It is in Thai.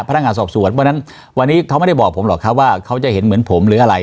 พนักงานสอบสวนเพราะฉะนั้นวันนี้เขาไม่ได้บอกผมหรอกครับว่าเขาจะเห็นเหมือนผมหรืออะไร